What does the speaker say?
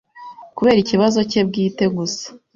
kubera ikibazo cye bwite gusa,